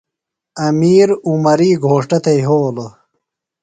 امیر عمری گھوݜٹہ تھےۡ یھولوۡ۔